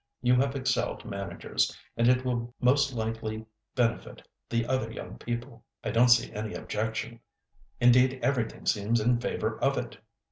You have excellent managers, and it will most likely benefit the other young people. I don't see any objection; indeed everything seems in favour of it."